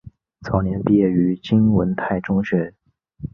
早年毕业于金文泰中学。